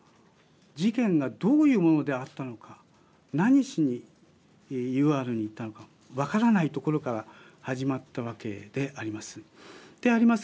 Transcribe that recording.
事件がどういうものであったのか何しにＵＲに行ったのか分からないところから始まったわけであります。